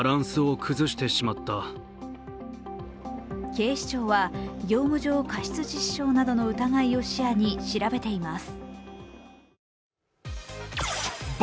警視庁は業務上過失致死傷などの疑いを視野に調べています。